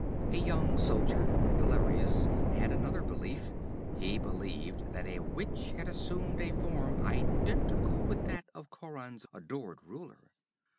A young soldier, Valerius, had another belief. He believed that a witch had assumed a form identical with that of Khauran's adored ruler.